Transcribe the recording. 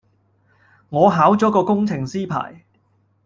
我考咗個工程師牌